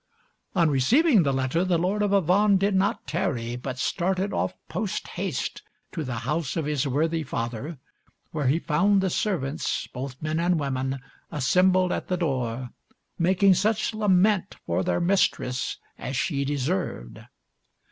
On receiving the letter, the Lord of Avannes did not tarry, but started off post haste to the house of his worthy father, where he found the servants, both men and women, assembled at the door, making such lament for their mistress as she deserved.